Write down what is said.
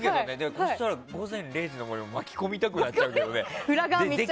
そうしたら「午前０時の森」も巻き込みたくなっちゃうけどね。